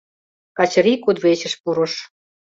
Качырий кудвечыш пурыш.